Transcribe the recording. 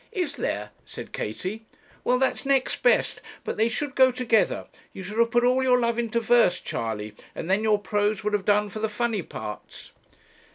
'Is there?' said Katie. 'Well, that's next best; but they should go together. You should have put all your love into verse, Charley, and then your prose would have done for the funny parts.'